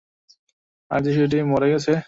আর যে শিশুটি মরে গেছে?